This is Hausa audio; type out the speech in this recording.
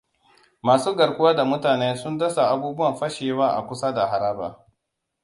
Masu garkuwa da mutane sun dasa abubuwan fashewa a kusa da haraba.